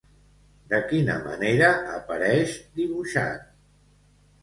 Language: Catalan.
De quina manera apareix dibuixat?